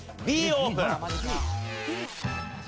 Ｂオープン！